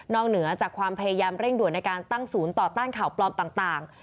เหนือจากความพยายามเร่งด่วนในการตั้งศูนย์ต่อต้านข่าวปลอมต่าง